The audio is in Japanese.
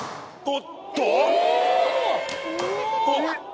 おっと？